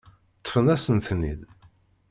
Ṭṭfen-asen-ten-id.